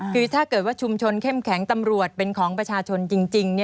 คือถ้าเกิดว่าชุมชนเข้มแข็งตำรวจเป็นของประชาชนจริง